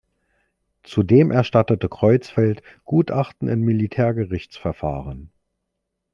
Zudem erstattete Creutzfeldt Gutachten in Militärgerichtsverfahren.